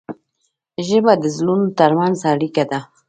ژبه د زړونو ترمنځ اړیکه ده.